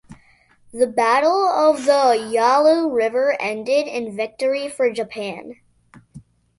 The Battle of the Yalu River ended in victory for Japan.